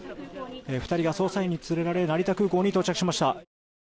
２人が捜査員に連れられ成田空港に到着しました。